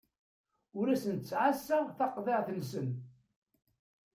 Ur asen-ttɛassaɣ taqḍiɛt-nsen.